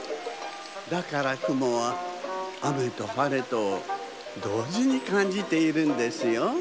だからくもはあめとはれとをどうじにかんじているんですよ。